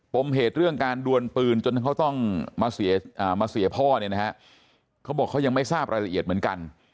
มเหตุเรื่องการดวนปืนจนเขาต้องมาเสียพ่อเนี่ยนะฮะเขาบอกเขายังไม่ทราบรายละเอียดเหมือนกัน